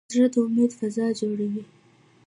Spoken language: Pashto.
زړه د امید فضا جوړوي.